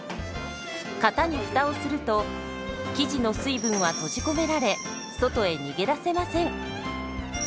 型にフタをすると生地の水分は閉じ込められ外へ逃げ出せません。